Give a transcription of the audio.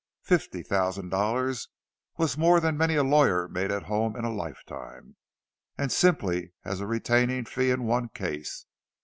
Fifty thousand dollars was more than many a lawyer made at home in a lifetime; and simply as a retaining fee in one case!